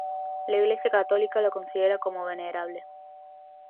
La Iglesia católica lo considera como venerable.